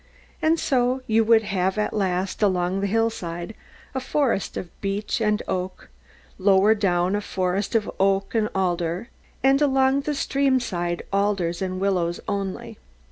And so you would have at last, along the hill side, a forest of beech and oak, lower down a forest of oak and alder, and along the stream side alders and willows only.